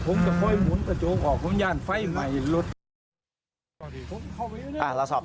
ผมก็ค่อยหมุนประโยคออกผมย่านไฟใหม่รถ